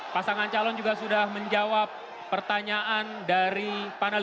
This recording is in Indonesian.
pasangan calon juga sudah menjawab pertanyaan dari panelis